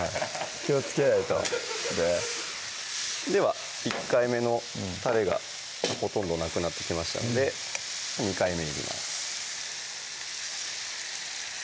気をつけないとでは１回目のたれがほとんどなくなってきましたので２回目入れます